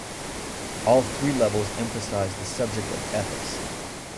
All three levels emphasize the subject of ethics.